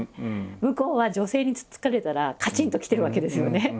向こうは女性につっつかれたらカチンときてるわけですよね。